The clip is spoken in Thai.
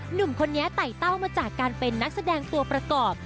หนุ่มคนนี้ไต่เต้ามาจากการเป็นนักแสดงตัวประกอบ